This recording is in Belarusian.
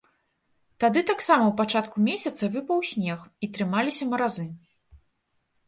Тады таксама ў пачатку месяца выпаў снег, і трымаліся маразы.